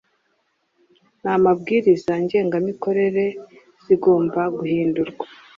n amabwiriza ngengamikorere zigomba guhindurwa